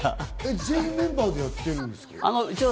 全員メンバーでやってるんですか？